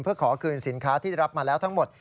เพื่อขอคืนสินค้าที่รับมาแล้วทั้งหมด